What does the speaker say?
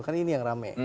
kan ini yang rame